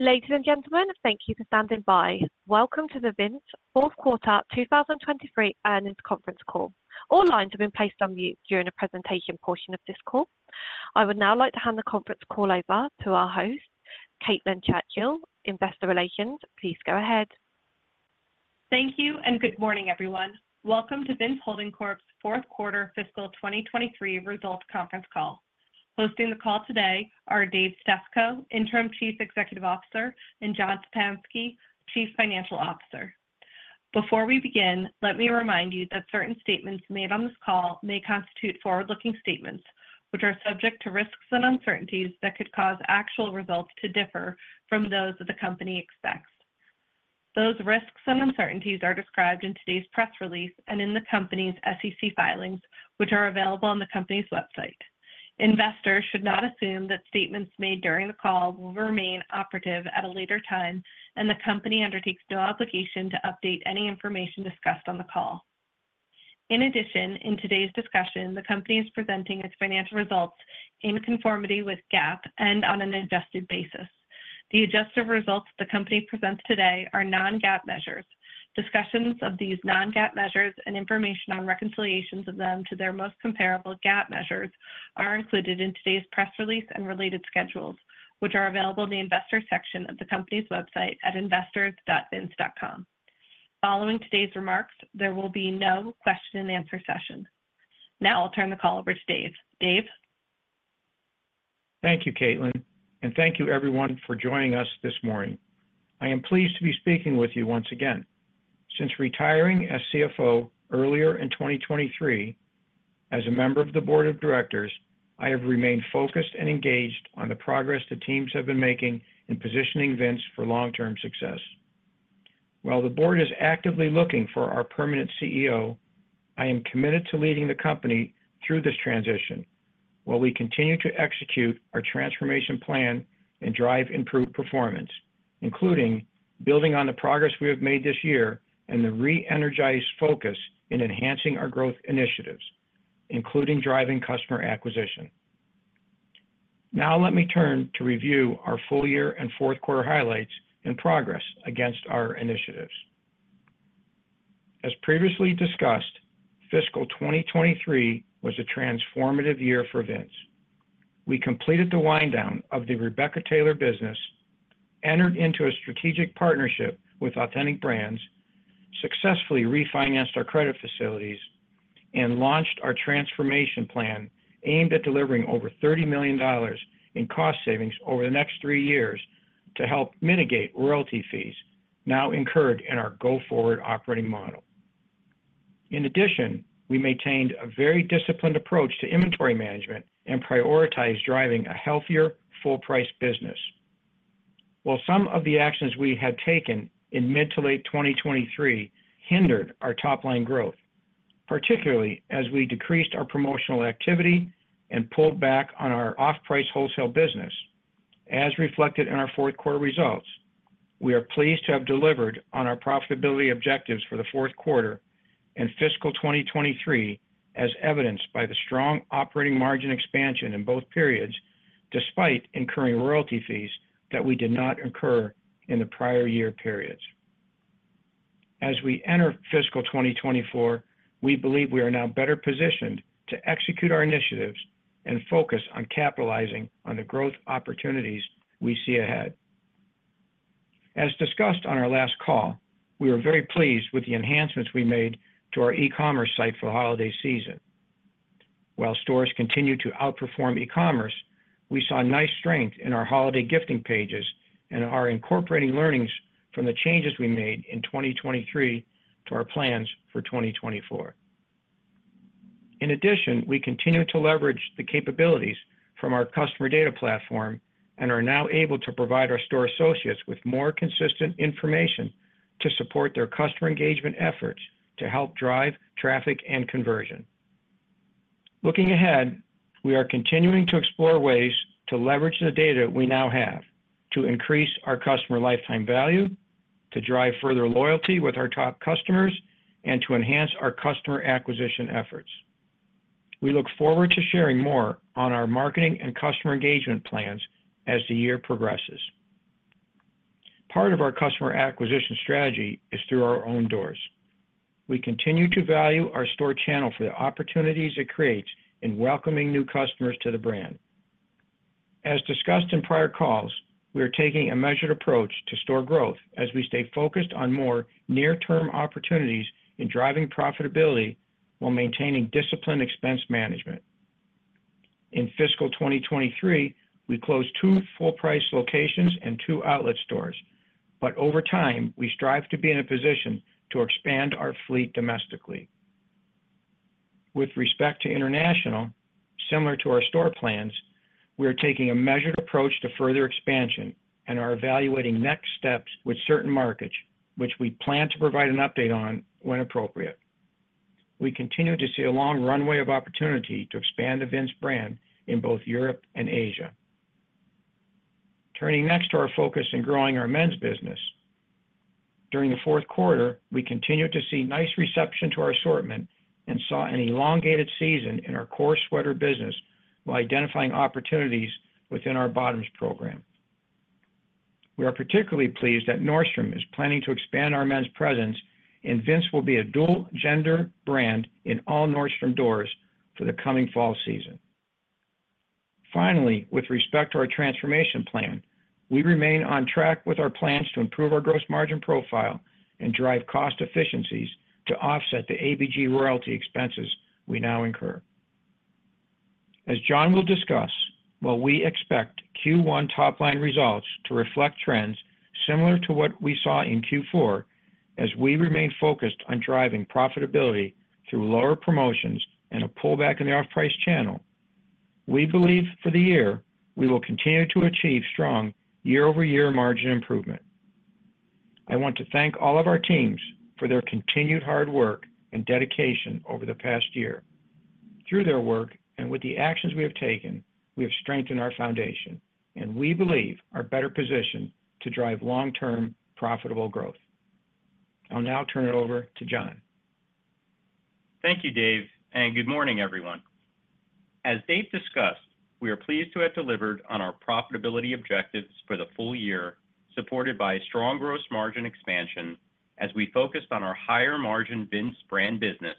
Ladies and gentlemen, thank you for standing by. Welcome to the Vince Fourth Quarter 2023 Earnings Conference Call. All lines have been placed on mute during the presentation portion of this call. I would now like to hand the conference call over to our host, Caitlin Churchill, Investor Relations. Please go ahead. Thank you, and good morning, everyone. Welcome to Vince Holding Corp's fourth quarter fiscal 2023 results conference call. Hosting the call today are Dave Stefko, Interim Chief Executive Officer, and John Szczepanski, Chief Financial Officer. Before we begin, let me remind you that certain statements made on this call may constitute forward-looking statements, which are subject to risks and uncertainties that could cause actual results to differ from those that the company expects. Those risks and uncertainties are described in today's press release and in the company's SEC filings, which are available on the company's website. Investors should not assume that statements made during the call will remain operative at a later time, and the company undertakes no obligation to update any information discussed on the call. In addition, in today's discussion, the company is presenting its financial results in conformity with GAAP and on an adjusted basis. The adjusted results the company presents today are non-GAAP measures. Discussions of these non-GAAP measures and information on reconciliations of them to their most comparable GAAP measures are included in today's press release and related schedules, which are available in the investor section of the company's website at investors.vince.com. Following today's remarks, there will be no question and answer session. Now I'll turn the call over to Dave. Dave? Thank you, Caitlin, and thank you everyone for joining us this morning. I am pleased to be speaking with you once again. Since retiring as CFO earlier in 2023, as a member of the board of directors, I have remained focused and engaged on the progress the teams have been making in positioning Vince for long-term success. While the board is actively looking for our permanent CEO, I am committed to leading the company through this transition, while we continue to execute our transformation plan and drive improved performance, including building on the progress we have made this year and the re-energized focus in enhancing our growth initiatives, including driving customer acquisition. Now, let me turn to review our full year and fourth quarter highlights and progress against our initiatives. As previously discussed, fiscal 2023 was a transformative year for Vince. We completed the wind down of the Rebecca Taylor business, entered into a strategic partnership with Authentic Brands, successfully refinanced our credit facilities, and launched our transformation plan, aimed at delivering over $30 million in cost savings over the next three years to help mitigate royalty fees now incurred in our go-forward operating model. In addition, we maintained a very disciplined approach to inventory management and prioritized driving a healthier, full-price business. While some of the actions we had taken in mid to late 2023 hindered our top-line growth, particularly as we decreased our promotional activity and pulled back on our off-price wholesale business. As reflected in our fourth quarter results, we are pleased to have delivered on our profitability objectives for the fourth quarter and fiscal 2023, as evidenced by the strong operating margin expansion in both periods, despite incurring royalty fees that we did not incur in the prior year periods. As we enter fiscal 2024, we believe we are now better positioned to execute our initiatives and focus on capitalizing on the growth opportunities we see ahead. As discussed on our last call, we were very pleased with the enhancements we made to our e-commerce site for the holiday season. While stores continued to outperform e-commerce, we saw nice strength in our holiday gifting pages and are incorporating learnings from the changes we made in 2023 to our plans for 2024. In addition, we continue to leverage the capabilities from our customer data platform and are now able to provide our store associates with more consistent information to support their customer engagement efforts to help drive traffic and conversion. Looking ahead, we are continuing to explore ways to leverage the data we now have to increase our customer lifetime value, to drive further loyalty with our top customers, and to enhance our customer acquisition efforts. We look forward to sharing more on our marketing and customer engagement plans as the year progresses. Part of our customer acquisition strategy is through our own doors. We continue to value our store channel for the opportunities it creates in welcoming new customers to the brand. As discussed in prior calls, we are taking a measured approach to store growth as we stay focused on more near-term opportunities in driving profitability while maintaining disciplined expense management. In fiscal 2023, we closed two full-price locations and two outlet stores, but over time, we strive to be in a position to expand our fleet domestically. With respect to international, similar to our store plans, we are taking a measured approach to further expansion and are evaluating next steps with certain markets, which we plan to provide an update on when appropriate. We continue to see a long runway of opportunity to expand the Vince brand in both Europe and Asia. Turning next to our focus in growing our men's business. During the fourth quarter, we continued to see nice reception to our assortment and saw an elongated season in our core sweater business, while identifying opportunities within our bottoms program. We are particularly pleased that Nordstrom is planning to expand our men's presence, and Vince will be a dual gender brand in all Nordstrom doors for the coming fall season. Finally, with respect to our transformation plan, we remain on track with our plans to improve our gross margin profile and drive cost efficiencies to offset the ABG royalty expenses we now incur. As John will discuss, while we expect Q1 top-line results to reflect trends similar to what we saw in Q4, as we remain focused on driving profitability through lower promotions and a pullback in the off-price channel, we believe for the year, we will continue to achieve strong year-over-year margin improvement. I want to thank all of our teams for their continued hard work and dedication over the past year. Through their work and with the actions we have taken, we have strengthened our foundation, and we believe are better positioned to drive long-term profitable growth. I'll now turn it over to John. Thank you, Dave, and good morning, everyone. As Dave discussed, we are pleased to have delivered on our profitability objectives for the full year, supported by a strong gross margin expansion as we focused on our higher margin Vince brand business,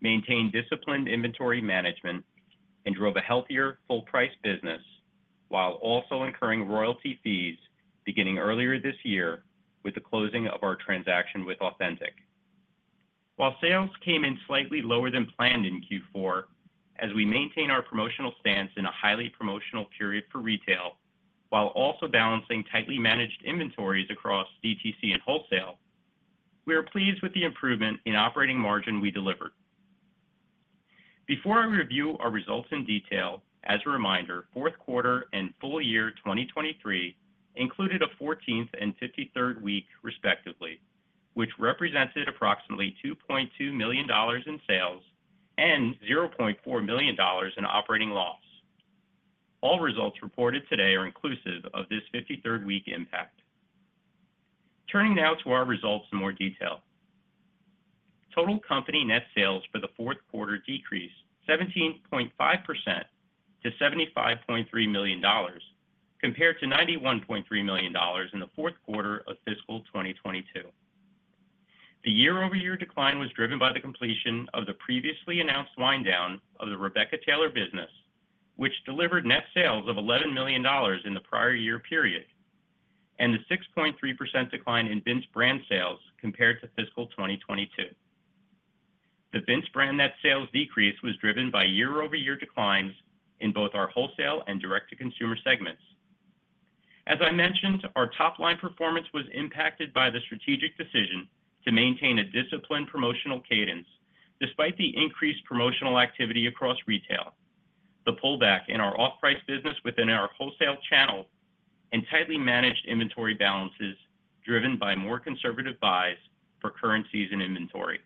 maintained disciplined inventory management, and drove a healthier full-price business, while also incurring royalty fees beginning earlier this year with the closing of our transaction with Authentic. While sales came in slightly lower than planned in Q4, as we maintain our promotional stance in a highly promotional period for retail, while also balancing tightly managed inventories across DTC and wholesale, we are pleased with the improvement in operating margin we delivered. Before I review our results in detail, as a reminder, fourth quarter and full year 2023 included a 14th and 53rd week, respectively, which represented approximately $2.2 million in sales and $0.4 million in operating loss. All results reported today are inclusive of this 53rd week impact. Turning now to our results in more detail. Total company net sales for the fourth quarter decreased 17.5% to $75.3 million, compared to $91.3 million in the fourth quarter of fiscal 2022. The year-over-year decline was driven by the completion of the previously announced wind down of the Rebecca Taylor business, which delivered net sales of $11 million in the prior year period, and the 6.3% decline in Vince brand sales compared to fiscal 2022. The Vince brand net sales decrease was driven by year-over-year declines in both our wholesale and direct-to-consumer segments. As I mentioned, our top-line performance was impacted by the strategic decision to maintain a disciplined promotional cadence despite the increased promotional activity across retail, the pullback in our off-price business within our wholesale channel, and tightly managed inventory balances driven by more conservative buys for current season inventory.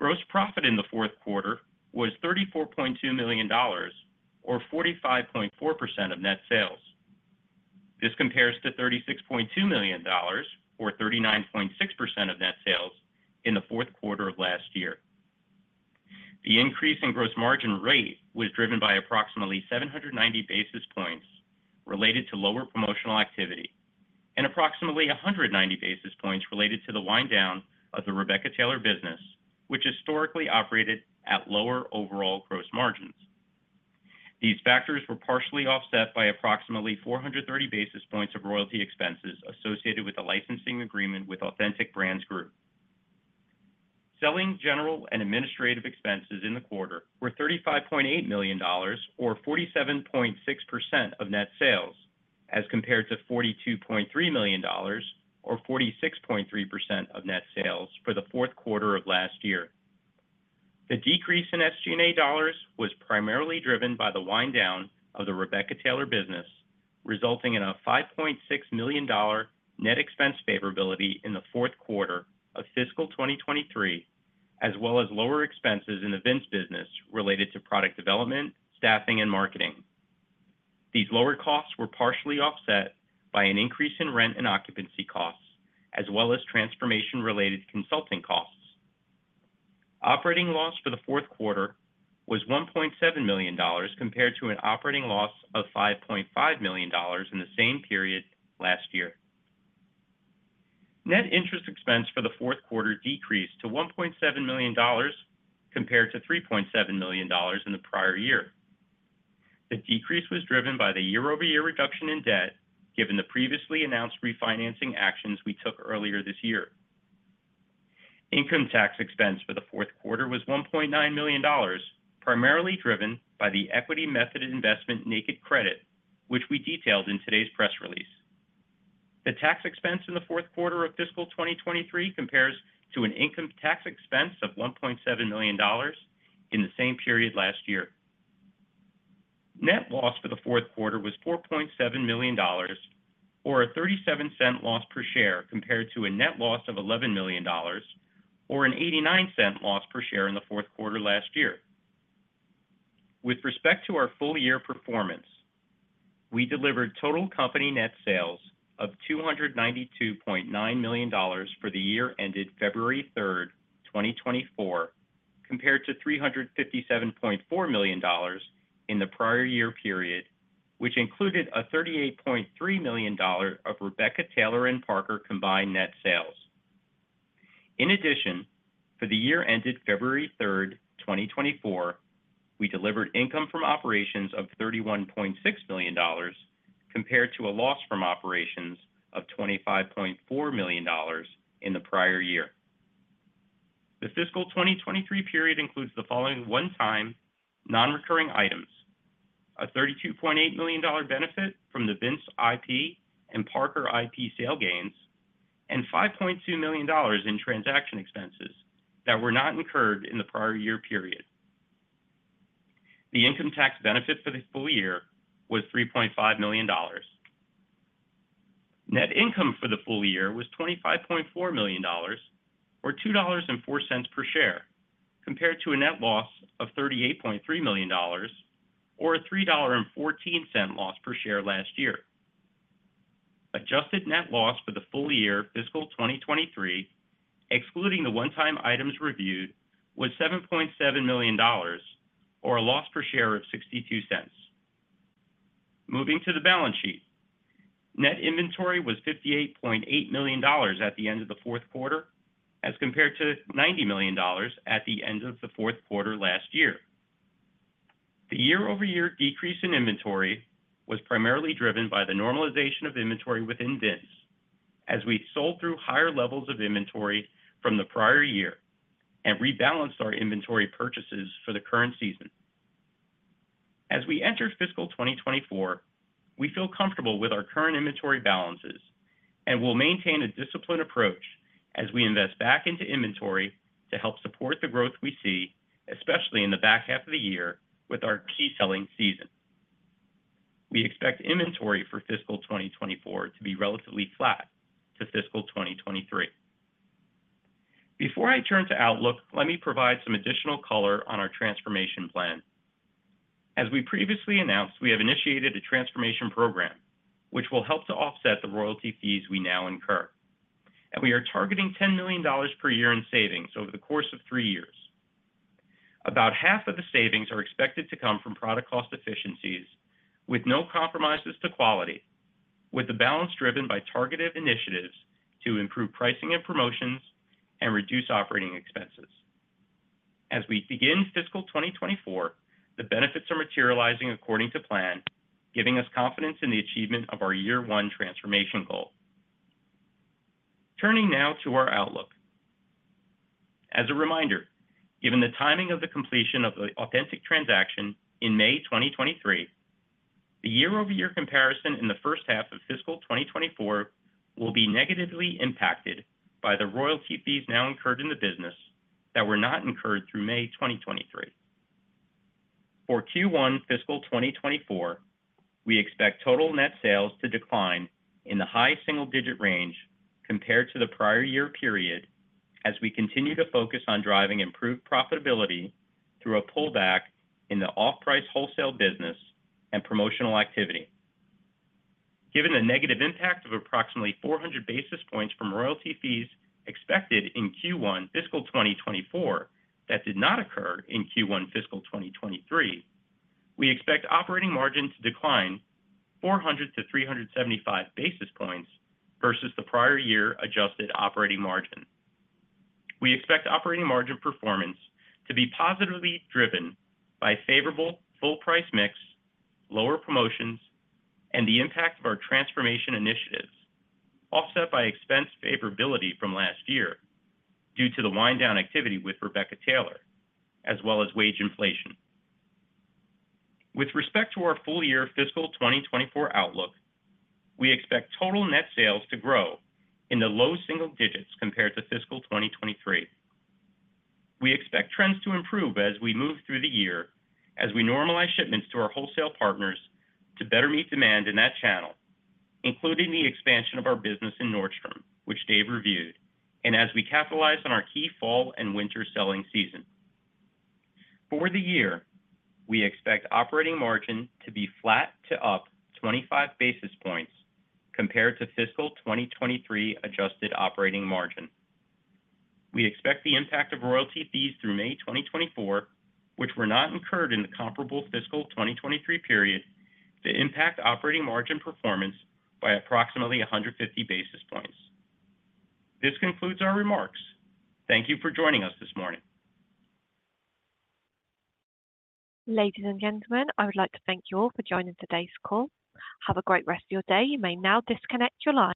Gross profit in the fourth quarter was $34.2 million, or 45.4% of net sales. This compares to $36.2 million, or 39.6% of net sales in the fourth quarter of last year. The increase in gross margin rate was driven by approximately 790 basis points related to lower promotional activity and approximately 190 basis points related to the wind down of the Rebecca Taylor business, which historically operated at lower overall gross margins. These factors were partially offset by approximately 430 basis points of royalty expenses associated with the licensing agreement with Authentic Brands Group. Selling, general, and administrative expenses in the quarter were $35.8 million, or 47.6% of net sales, as compared to $42.3 million, or 46.3% of net sales for the fourth quarter of last year. The decrease in SG&A dollars was primarily driven by the wind down of the Rebecca Taylor business, resulting in a $5.6 million net expense favorability in the fourth quarter of fiscal 2023, as well as lower expenses in the Vince business related to product development, staffing, and marketing. These lower costs were partially offset by an increase in rent and occupancy costs, as well as transformation-related consulting costs. Operating loss for the fourth quarter was $1.7 million, compared to an operating loss of $5.5 million in the same period last year. Net interest expense for the fourth quarter decreased to $1.7 million, compared to $3.7 million in the prior year. The decrease was driven by the year-over-year reduction in debt, given the previously announced refinancing actions we took earlier this year. Income tax expense for the fourth quarter was $1.9 million, primarily driven by the equity method investment naked credit, which we detailed in today's press release. The tax expense in the fourth quarter of fiscal 2023 compares to an income tax expense of $1.7 million in the same period last year. Net loss for the fourth quarter was $4.7 million, or a $0.37 loss per share, compared to a net loss of $11 million, or a $0.89 loss per share in the fourth quarter last year. With respect to our full year performance, we delivered total company net sales of $292.9 million for the year ended February third, 2024, compared to $357.4 million in the prior year period, which included a $38.3 million of Rebecca Taylor and Parker combined net sales. In addition, for the year ended February third, 2024, we delivered income from operations of $31.6 million, compared to a loss from operations of $25.4 million in the prior year. The fiscal 2023 period includes the following one-time non-recurring items: a $32.8 million benefit from the Vince IP and Parker IP sale gains, and $5.2 million in transaction expenses that were not incurred in the prior year period. The income tax benefit for the full year was $3.5 million. Net income for the full year was $25.4 million, or $2.04 per share, compared to a net loss of $38.3 million, or a $3.14 loss per share last year. Adjusted net loss for the full year fiscal 2023, excluding the one-time items reviewed, was $7.7 million, or a loss per share of $0.62. Moving to the balance sheet. Net inventory was $58.8 million at the end of the fourth quarter, as compared to $90 million at the end of the fourth quarter last year. The year-over-year decrease in inventory was primarily driven by the normalization of inventory within Vince, as we sold through higher levels of inventory from the prior year and rebalanced our inventory purchases for the current season. As we enter fiscal 2024, we feel comfortable with our current inventory balances and will maintain a disciplined approach as we invest back into inventory to help support the growth we see, especially in the back half of the year with our key selling season. We expect inventory for fiscal 2024 to be relatively flat to fiscal 2023. Before I turn to outlook, let me provide some additional color on our transformation plan. As we previously announced, we have initiated a transformation program, which will help to offset the royalty fees we now incur, and we are targeting $10 million per year in savings over the course of three years. About half of the savings are expected to come from product cost efficiencies with no compromises to quality, with the balance driven by targeted initiatives to improve pricing and promotions and reduce operating expenses. As we begin fiscal 2024, the benefits are materializing according to plan, giving us confidence in the achievement of our year one transformation goal. Turning now to our outlook. As a reminder, given the timing of the completion of the Authentic transaction in May 2023, the year-over-year comparison in the first half of fiscal 2024 will be negatively impacted by the royalty fees now incurred in the business that were not incurred through May 2023. For Q1 fiscal 2024, we expect total net sales to decline in the high single-digit range compared to the prior year period, as we continue to focus on driving improved profitability through a pullback in the off-price wholesale business and promotional activity. Given the negative impact of approximately 400 basis points from royalty fees expected in Q1 fiscal 2024, that did not occur in Q1 fiscal 2023, we expect operating margin to decline 400-375 basis points versus the prior year adjusted operating margin. We expect operating margin performance to be positively driven by favorable full price mix, lower promotions, and the impact of our transformation initiatives, offset by expense favorability from last year due to the wind down activity with Rebecca Taylor, as well as wage inflation. With respect to our full year fiscal 2024 outlook, we expect total net sales to grow in the low single digits compared to fiscal 2023. We expect trends to improve as we move through the year, as we normalize shipments to our wholesale partners to better meet demand in that channel, including the expansion of our business in Nordstrom, which Dave reviewed, and as we capitalize on our key fall and winter selling season. For the year, we expect operating margin to be flat to up 25 basis points compared to fiscal 2023 adjusted operating margin. We expect the impact of royalty fees through May 2024, which were not incurred in the comparable fiscal 2023 period, to impact operating margin performance by approximately 150 basis points. This concludes our remarks. Thank you for joining us this morning. Ladies and gentlemen, I would like to thank you all for joining today's call. Have a great rest of your day. You may now disconnect your line.